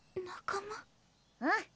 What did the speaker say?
うん。